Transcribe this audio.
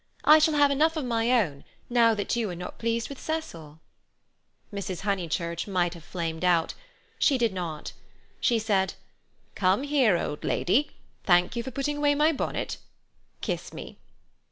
"I shall have enough of my own, now that you are not pleased with Cecil." Mrs. Honeychurch might have flamed out. She did not. She said: "Come here, old lady—thank you for putting away my bonnet—kiss me."